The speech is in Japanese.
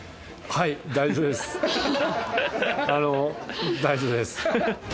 あの大丈夫です。